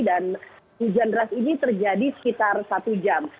dan hujan ras ini terjadi sekitar satu jam